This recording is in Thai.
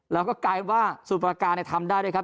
แล้วก็กลายว่าสูตรประการทำได้ด้วยครับ